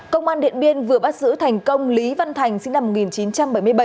công an điện biên vừa bắt giữ thành công lý văn thành sinh năm một nghìn chín trăm bảy mươi bảy